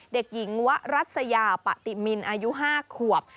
เด็กหญิงวะรัสยาปะติมินอายุ๕ขวบ